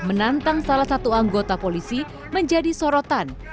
menantang salah satu anggota polisi menjadi sorotan